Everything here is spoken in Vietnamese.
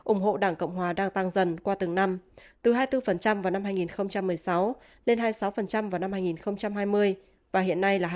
ủng hộ đảng cộng hòa đang tăng dần qua từng năm từ hai mươi bốn vào năm hai nghìn một mươi sáu lên hai mươi sáu vào năm hai nghìn hai mươi và hiện nay là hai mươi